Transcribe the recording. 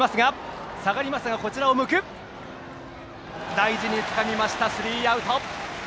大事につかみましたスリーアウト。